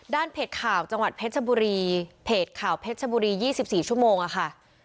เพจข่าวจังหวัดเพชรบุรีเพจข่าวเพชรชบุรี๒๔ชั่วโมงค่ะ